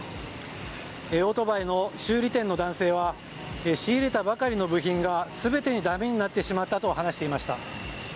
オートバイの修理店の男性は仕入れたばかりの部品が全てだめになってしまったと話していました。